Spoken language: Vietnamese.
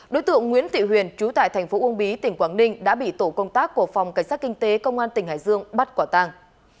đối tượng nguyễn thị huyền trú tại thành phố uông bí tỉnh quảng ninh đã bị tổ công tác của phòng cảnh sát kinh tế công an tỉnh hải dương bắt quả tàng